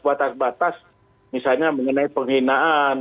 batas batas misalnya mengenai penghinaan